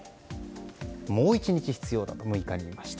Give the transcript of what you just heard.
もう１日必要だと６日に言いました。